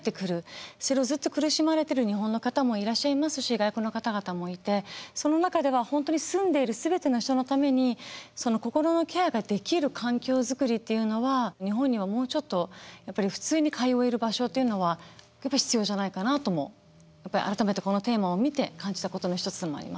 それをずっと苦しまれている日本の方もいらっしゃいますし外国の方々もいてその中では本当に住んでいる全ての人のためにその心のケアができる環境づくりっていうのは日本にはもうちょっとやっぱり普通に通える場所っていうのは必要じゃないかなともやっぱり改めてこのテーマを見て感じたことの一つでもあります。